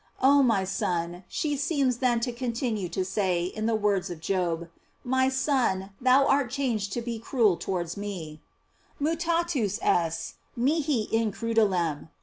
Oh my Son, she seems then to continue to say in the words of Job, my Son, thou art changed to be cruel towards me: "Mutatus es mihi in crude lem."